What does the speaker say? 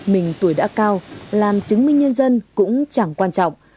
mình tuổi đã cao làm chứng minh nhân dân cũng chẳng quan trọng